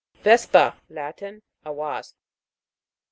VES'PA. Latin. A wasp.